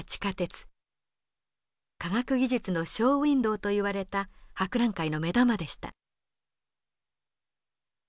科学技術のショーウインドーといわれた博覧会の目玉でした。